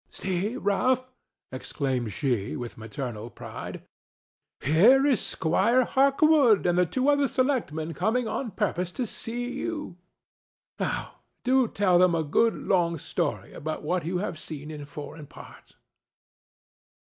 "See, Ralph!" exclaimed she, with maternal pride; "here is Squire Hawkwood and the two other selectmen coming on purpose to see you. Now, do tell them a good long story about what you have seen in foreign parts."